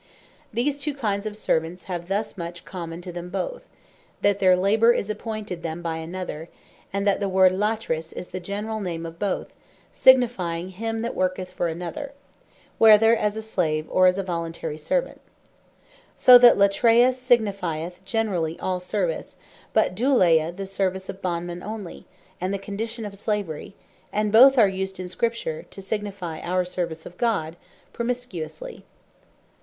These two kinds of Servants have thus much common to them both, that their labour is appointed them by another, whether, as a Slave, or a voluntary Servant: And the word Latris, is the general name of both, signifying him that worketh for another, whether, as a Slave, or a voluntary Servant: So that Latreia signifieth generally all Service; but Douleia the service of Bondmen onely, and the condition of Slavery: And both are used in Scripture (to signifie our Service of God) promiscuously.